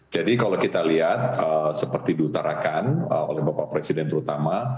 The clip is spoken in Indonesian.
jadi kalau kita lihat seperti diutarakan oleh bapak presiden terutama